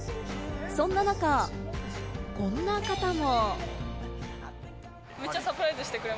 そんな中、こんな方も。